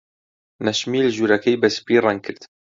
نەشمیل ژوورەکەی بە سپی ڕەنگ کرد.